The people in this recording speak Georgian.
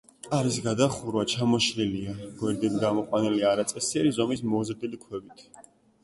კარის გადახურვა ჩამოშლილია, გვერდები გამოყვანილია არაწესიერი ზომის მოზრდილი ქვებით.